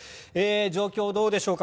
状況、どうでしょうか。